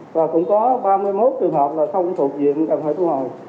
và cũng có ba mươi một trường hợp là không thuộc diện cần phải thu hồi